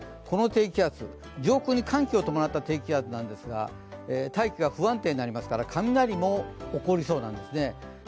この低気圧、上空に寒気を伴った低気圧なんですが大気が不安定になりますから雷も起こりそうなんですね。